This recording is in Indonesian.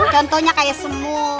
contohnya kayak semut